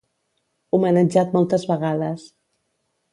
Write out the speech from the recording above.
Homenatjat moltes vegades.